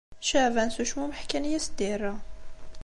Caɛban s ucmumeḥ kan i as-d-yerra.